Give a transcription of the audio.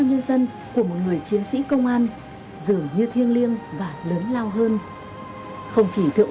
nhân dân của một người chiến sĩ công an dường như thiêng liêng và lớn lao hơn không chỉ thượng